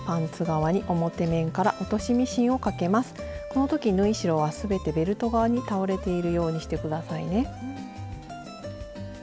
この時縫い代は全てベルト側に倒れているようにして下さいね。